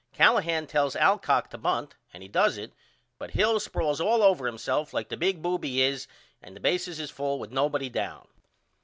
Callahan tells Alcock to bunt and he does it but Hill sprawls all over himself like the big boob he is and the bases is full with nobody down.